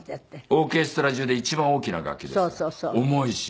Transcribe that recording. オーケストラ中で一番大きな楽器ですから重いし。